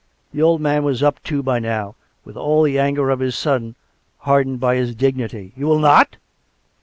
The old man was up too by now, with all the anger of his son hardened by his dignity. " You will not.''